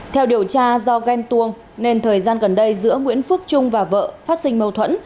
theo điều tra do ghen tuông nên thời gian gần đây giữa nguyễn phước trung và vợ phát sinh mâu thuẫn